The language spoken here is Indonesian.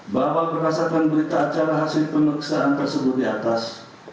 bahwa berdasarkan berita acara hasil pemeriksaan tersebut di atas